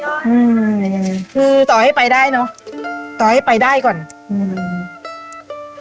อืมยังไงคือต่อให้ไปได้เนอะต่อให้ไปได้ก่อนอืม